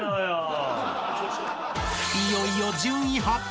［いよいよ順位発表！